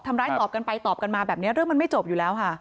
ตอบกันไปตอบกันมาแบบนี้เรื่องมันไม่จบอยู่แล้วค่ะ